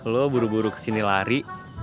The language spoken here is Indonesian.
lo buru buru kesini lari